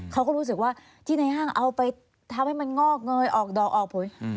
เขาก็รู้สึกว่าที่ในห้างเอาไปทำให้มันงอกเงยออกดอกออกผล